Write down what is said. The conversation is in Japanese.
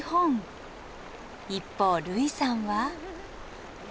一方類さんは。